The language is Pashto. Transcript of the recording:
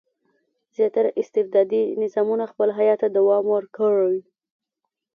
زیاتره استبدادي نظامونه خپل حیات ته دوام ورکړي.